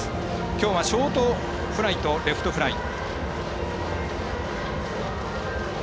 きょうはショートフライとレフトフライ。